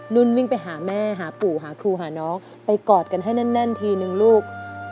นุ่นวิ่งไปหาแม่หาปู่หาครูหาน้องไปกอดกันให้แน่นทีนึงลูก